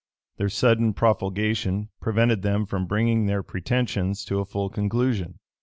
Their sudden profulgation prevented them from bringing their pretensions to a full conclusion.